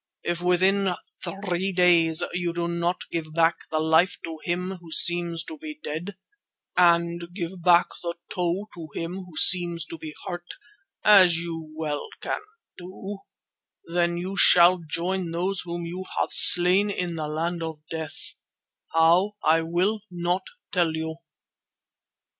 If within three days you do not give back the life to him who seems to be dead, and give back the toe to him who seems to be hurt, as you well can do, then you shall join those whom you have slain in the land of death, how I will not tell you."